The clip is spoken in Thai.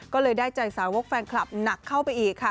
ก็เลยได้ใจสาวกแฟนคลับหนักเข้าไปอีกค่ะ